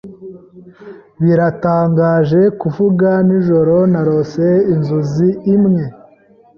Biratangaje kuvuga, Nijoro narose inzozi imwe.